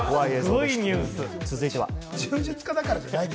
続いては。